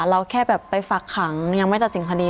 เราแค่แบบไปฝากขังยังไม่ตัดสินคดี